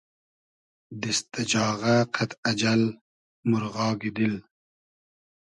دیست دۂ جاغۂ قئد اجئل مورغاگی دیل